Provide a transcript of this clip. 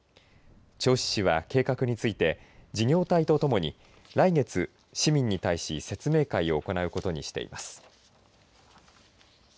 銚子市は計画について事業体とともに来月、市民に対し説明会を行うことにしています。